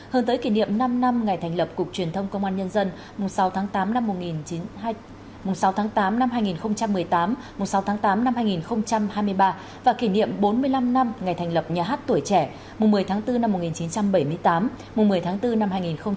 hơn tới kỷ niệm năm năm ngày thành lập cục truyền thông công an nhân dân sáu tháng tám năm hai nghìn một mươi tám sáu tháng tám năm hai nghìn hai mươi ba và kỷ niệm bốn mươi năm năm ngày thành lập nhà hát tuổi trẻ một mươi tháng bốn năm một nghìn chín trăm bảy mươi tám một mươi tháng bốn năm hai nghìn hai mươi ba